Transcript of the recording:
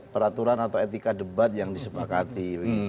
peraturan atau etika debat yang disepakati